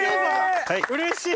うれしい！